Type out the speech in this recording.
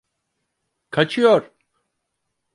Kaçıyor!